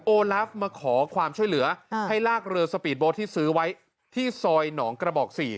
ลาฟมาขอความช่วยเหลือให้ลากเรือสปีดโบ๊ทที่ซื้อไว้ที่ซอยหนองกระบอก๔